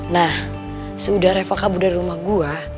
nah sudah revo kabur dari rumah gue